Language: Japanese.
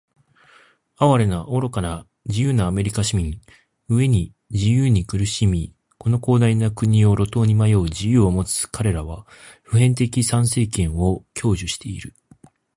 哀れな、愚かな、自由なアメリカ市民！飢えに「自由」に苦しみ、この広大な国を路頭に迷う「自由」を持つかれらは、普遍的参政権を享受している。